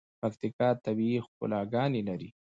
پکیتکا طبیعی ښکلاګاني لري.